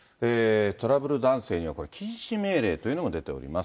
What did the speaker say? トラブル男性には禁止命令というのが出ております。